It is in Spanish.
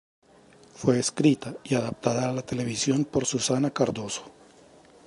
Fue escrita y adaptada a la televisión por Susana Cardozo.